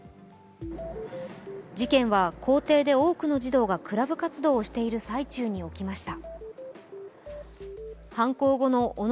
事件は校庭で多くの児童がクラブ活動をしている最中に起きました。